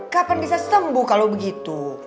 kapan bisa sembuh kalau begitu